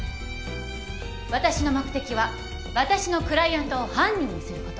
私の目的は私のクライアントを犯人にすること。